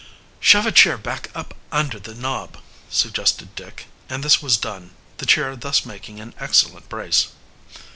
"Shove a chair back up under the knob," suggested Dick, and this was done, the chair thus making an excellent brace.